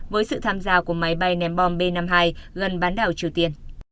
với sự tham gia của máy bay ném bom b năm mươi hai gần bán đảo triều tiên